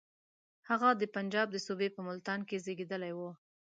هغه د پنجاب د صوبې په ملتان کې زېږېدلی وو.